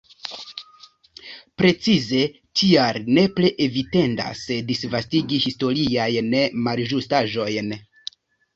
Precize tial nepre evitendas disvastigi historiajn malĝustaĵojn.